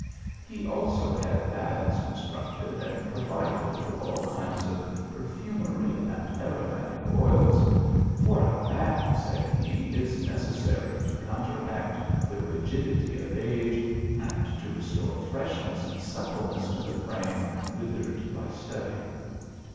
He also had baths constructed and provided with 118 THE ALHAMBRA. all kinds of perfumery and aromatic oils ;" for a bath," said he, " is necessary to counteract the rigid ity of age, and to restore freshness and suppleness to the frame withered by study."